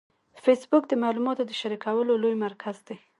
فېسبوک د معلوماتو د شریکولو لوی مرکز دی